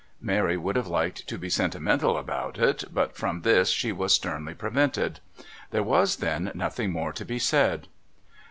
Mary would have liked to be sentimental about it, but from this she was sternly prevented. There was then nothing more to be said...